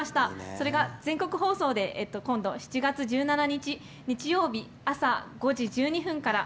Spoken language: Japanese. それが全国放送で今度７月１７日、日曜日朝５時１２分から。